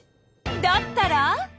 だったら？